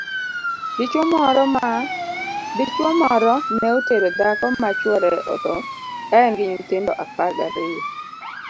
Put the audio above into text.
Dichwo moro ne otero dhako ma chwore otho ka en gi nyithindo apar gariyo.